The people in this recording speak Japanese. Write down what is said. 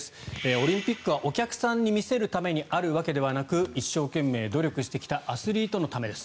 オリンピックはお客さんに見せるためにあるわけではなく一生懸命努力してきたアスリートのためです。